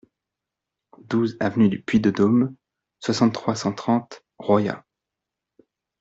douze avenue du Puy de Dôme, soixante-trois, cent trente, Royat